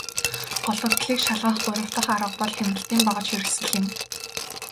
Гологдлыг шалгах гурав дахь арга бол хяналтын багажхэрэгслэл юм.